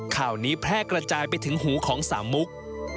ข่าวนี้แพร่กระจายไปถึงหูของสามมุก